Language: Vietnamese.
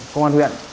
công an huyện